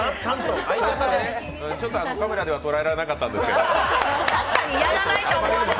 カメラではとらえられなかったんですけど。